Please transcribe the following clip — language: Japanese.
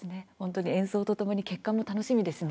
演奏とともに結果も楽しみですよね。